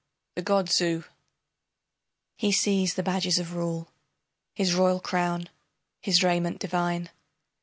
THE GOD ZU He sees the badges of rule, His royal crown, his raiment divine.